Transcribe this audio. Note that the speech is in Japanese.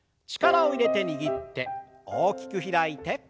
力を入れて握って大きく開いて。